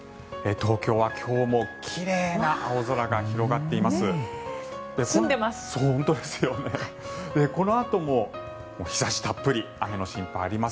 東京は今日も奇麗な青空が広がっています。